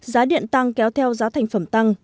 giá điện tăng kéo theo giá thành phẩm tăng